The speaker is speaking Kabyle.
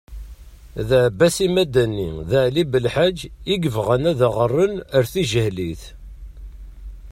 D ɛebbasi Madani d ɛli Benḥaǧ i yebɣan ad aɣ-erren ar tijehlit.